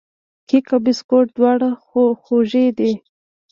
کیک او بسکوټ دواړه خوږې دي.